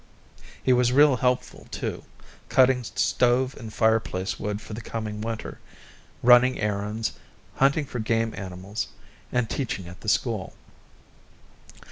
He was real helpful, too, cutting stove and fireplace wood for the coming winter, running errands, hunting for game animals, and teaching at the school.